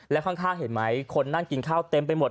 แล้วข้างเห็นไหมคนนั่งกินข้าวเต็มไปหมด